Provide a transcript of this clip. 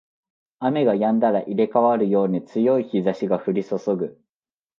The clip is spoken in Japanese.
雨が止んだら入れ替わるように強い日差しが降りそそぐ